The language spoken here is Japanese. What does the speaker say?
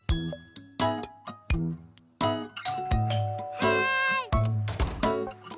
はい。